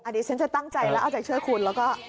อดีตฉันจะตั้งใจแล้วเอาจากเชื่อคุณแล้วก็